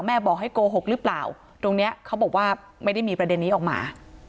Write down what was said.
บอกให้โกหกหรือเปล่าตรงนี้เขาบอกว่าไม่ได้มีประเด็นนี้ออกมา